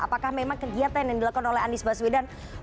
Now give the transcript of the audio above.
apakah memang kegiatan yang dilakukan oleh anies baswedan